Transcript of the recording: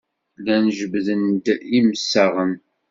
Llan jebbden-d imsaɣen.